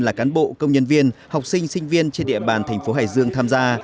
là cán bộ công nhân viên học sinh sinh viên trên địa bàn thành phố hải dương tham gia